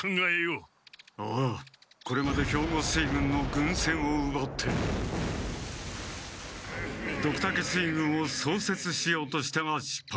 ああこれまで兵庫水軍の軍船をうばってドクタケ水軍をそうせつしようとしたがしっぱいに終わった。